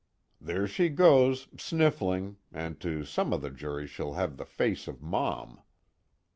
_There she goes sniffling, and to some of the jury she'll have the face of Mom.